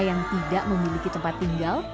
yang tidak memiliki tempat tinggal